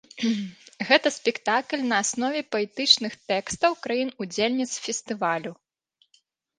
Гэта спектакль на аснове паэтычных тэкстаў краін-удзельніц фестывалю.